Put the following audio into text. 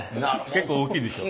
結構大きいでしょ？